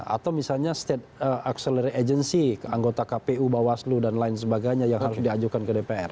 atau misalnya state acceleray agency anggota kpu bawaslu dan lain sebagainya yang harus diajukan ke dpr